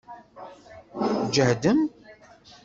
Tǧehdem?